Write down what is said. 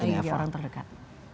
lagi lagi orang terdekat